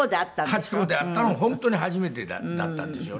ハチ公で会ったのが本当に初めてだったんですよね。